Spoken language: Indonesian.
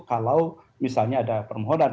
kalau misalnya ada permohonan